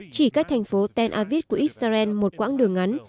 chỉ cách thành phố tel aviv của israel một quãng đường ngắn